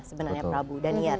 sebenarnya prabu dan iyar